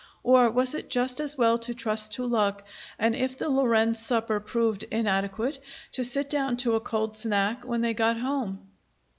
Or was it just as well to trust to luck, and, if the Lorenz supper proved inadequate, to sit down to a cold snack when they got home?